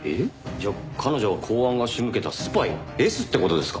じゃあ彼女は公安が仕向けたスパイＳって事ですか？